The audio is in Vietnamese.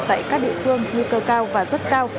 tại các địa phương nguy cơ cao và rất cao